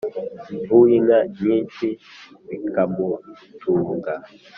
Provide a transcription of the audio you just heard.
uw’inka nyinshi bikamutunga